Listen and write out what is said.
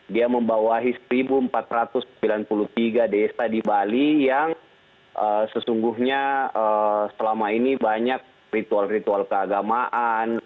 dia membawahi seribu empat ratus sembilan puluh tiga desa di bali yang sesungguhnya selama ini banyak ritual ritual keagamaan